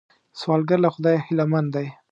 سوالګر له خدایه هیلمن دی